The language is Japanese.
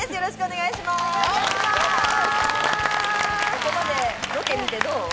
ここまでロケ見てどう？